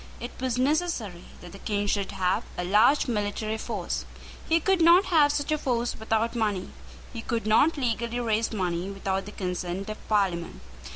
It was necessary that the King should have a large military force. He could not have such a force without money. He could not legally raise money without the consent of Parliament.